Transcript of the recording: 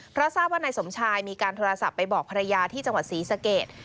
เพราะทราบว่านายสมชายมีการโทรศัพท์ไปบอกภรรยาที่จังหวัดศรีสเกต